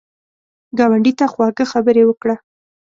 ګاونډي ته خواږه خبرې وکړه